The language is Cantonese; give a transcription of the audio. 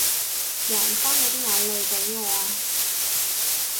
還返我啲眼淚畀我啊